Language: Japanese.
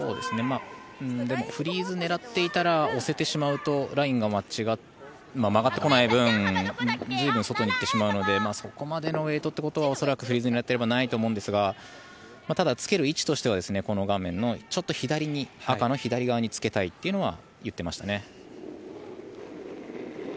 でもフリーズ狙っていたら押せてしまうとラインが曲がってこない分随分、外に行ってしまうのでそこまでのウェイトということはフリーズ狙っていればないと思いますがただ、つける位置としてはこの画面のちょっと左に赤の左側につけたいと言っていましたね。